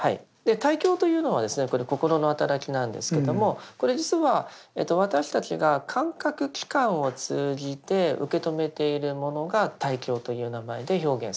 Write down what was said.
対境というのはこれ心の働きなんですけどもこれ実は私たちが感覚器官を通じて受け止めているものが対境という名前で表現されました。